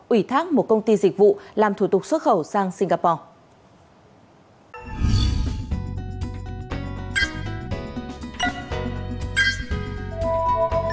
ủy thác một công ty dịch vụ làm thủ tục xuất khẩu sang singapore